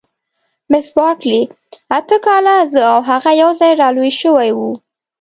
مس بارکلي: اته کاله، زه او هغه یوځای را لوي شوي وو.